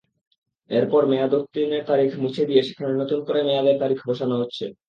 এরপর মেয়াদোত্তীর্ণের তারিখ মুছে দিয়ে সেখানে নতুন করে মেয়াদের তারিখ বসানো হচ্ছে।